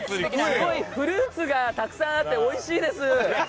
すごいフルーツがたくさんあっておいしいです。